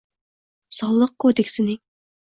Soliq kodeksining